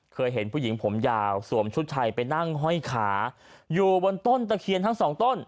เคยเห็นผู้หญิงผมยาวสวมชุดชัยไปนั่งห้อยขาอยู่บนต้นตะเคียนทั้งสองต้น